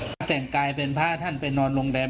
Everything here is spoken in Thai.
ก็แต่งกายเป็นพระท่านไปนอนโรงแรม